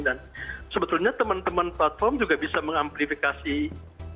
dan sebetulnya teman teman platform juga bisa mengamplifikasi hasil kerja